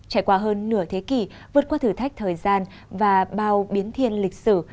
trải qua hơn nửa thế kỷ vượt qua thử thách thời gian và bao biến thiên lịch sử